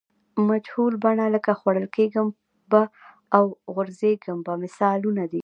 مجهول بڼه لکه خوړل کیږم به او غورځېږم به مثالونه دي.